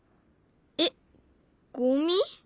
えっゴミ！？